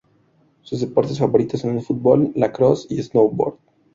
Sus deportes favoritos son el fútbol, lacrosse y snowboard.